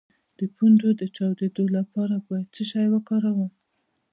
د پوندو د چاودیدو لپاره باید څه شی وکاروم؟